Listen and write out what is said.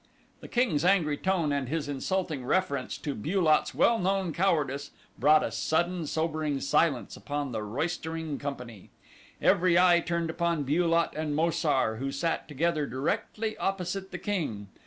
The king's angry tone and his insulting reference to Bu lot's well known cowardice brought a sudden, sobering silence upon the roistering company. Every eye turned upon Bu lot and Mo sar, who sat together directly opposite the king.